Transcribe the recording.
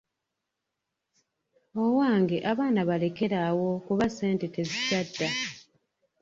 Owange abaana balekere awo kuba ssente tezikyadda.